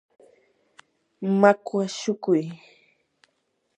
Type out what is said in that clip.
makwa shukuy.